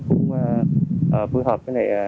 cũng phù hợp với